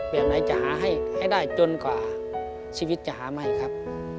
แบบไหนจะหาให้ได้จนกว่าชีวิตจะหาใหม่ครับ